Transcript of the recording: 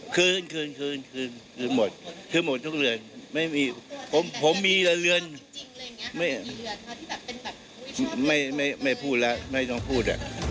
คืนคืนหมดทุกเรือนผมมีหลายเรือนไม่พูดแล้วไม่ต้องพูด